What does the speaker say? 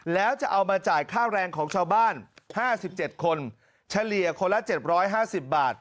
แล้วจะเอามาจ่ายค่าแรงของชาวบ้าน๕๗คนเฉลี่ยคนละ๗๕๐บาท